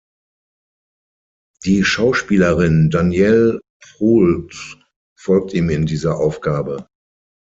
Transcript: Die Schauspielerin Danielle Proulx folgt ihm in dieser Aufgabe.